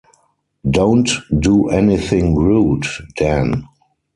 Don't do anything rude, Dan.